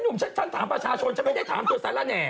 นี่หนุ่มฉันถามประชาชนฉันไม่ได้ถามตัวสารแน่